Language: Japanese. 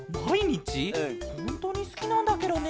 ほんとにすきなんだケロね。